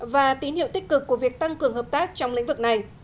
và tín hiệu tích cực của việc tăng cường hợp tác trong lĩnh vực này